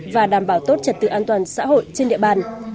và đảm bảo tốt trật tự an toàn xã hội trên địa bàn